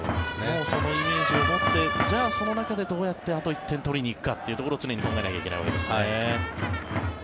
もうそのイメージを持ってじゃあその中でどうやってあと１点取りに行くかを常に考えなきゃいけないわけですね。